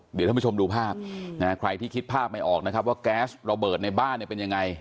เดี๋ยวท่านผู้ชมดูภาพใครที่คิดภาพไม่ออกนะครับว่าแก๊สระเบิดในบ้านเนี่ยเป็นยังไง